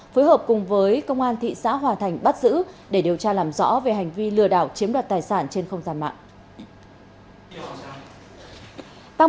phối hợp cùng với công an thị xã hòa thành bắt giữ để điều tra làm rõ về hành vi lừa đảo chiếm đoạt tài sản trên không gian mạng